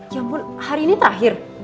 ya ampun hari ini terakhir